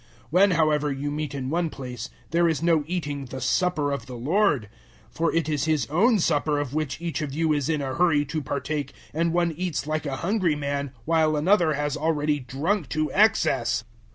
011:020 When, however, you meet in one place, there is no eating the Supper of the Lord; 011:021 for it is his own supper of which each of you is in a hurry to partake, and one eats like a hungry man, while another has already drunk to excess.